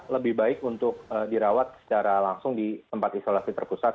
lebih baik untuk dirawat secara langsung di tempat isolasi terpusat